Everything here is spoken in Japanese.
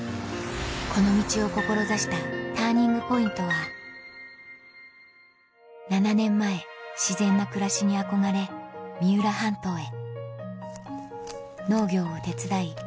この道を志したＴＵＲＮＩＮＧＰＯＩＮＴは７年前自然な暮らしに憧れ三浦半島へ農業を手伝い